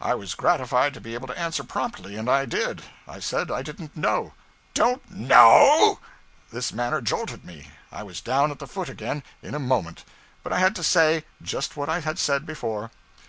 I was gratified to be able to answer promptly, and I did. I said I didn't know. 'Don't know?' This manner jolted me. I was down at the foot again, in a moment. But I had to say just what I had said before.